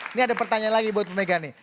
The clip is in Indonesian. ini ada pertanyaan lagi buat bu mega nih